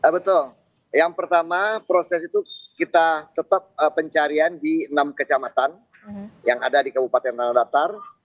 betul yang pertama proses itu kita tetap pencarian di enam kecamatan yang ada di kabupaten nanatar